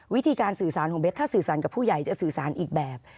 วิธีการสื่อสารของเบสถ้าสื่อสารกับผู้ใหญ่จะสื่อสารอีกแบบ